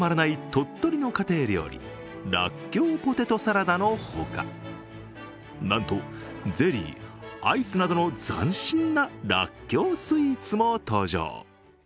鳥取の家庭料理、らっきょうポテトサラダのほかなんと、ゼリー、アイスなどの斬新ならっきょうスイーツも登場。